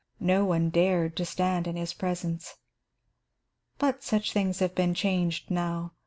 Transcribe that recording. No one dared to stand in his presence. But such things have been changed now.